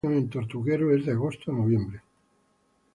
El periodo de anidación en Tortuguero es de agosto a noviembre.